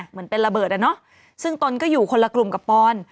เหมือนเป็นระเบิดอ่ะเนอะซึ่งตนก็อยู่คนละกลุ่มกับปอน